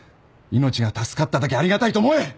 命が助かっただけありがたいと思え！